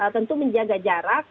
tentu menjaga jarak